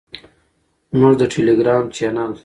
زموږ د ټیلیګرام چینل